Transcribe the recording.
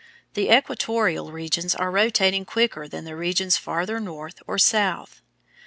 The "equatorial" regions are rotating quicker than regions farther north or south.